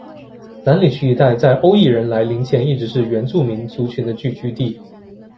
兰里区一带在欧裔人来临前一直是原住民族群的聚居地。